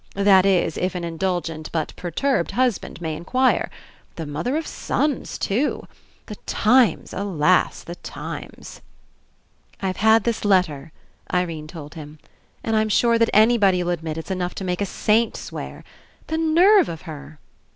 That is, if an indulgent but perturbed husband may inquire. The mother of sons too ! The times, alas, the times !" "I've had this letter," Irene told him. "And I'm sure that anybody'll admit it's enough to make a saint swear. The nerve of her!"